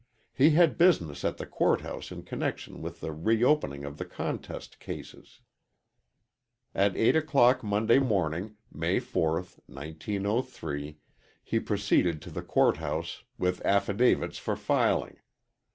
He had business at the court house in connection with the reopening of the contest cases. At eight o'clock Monday morning, May 4th, 1903, he proceeded to the court house with affidavits for filing.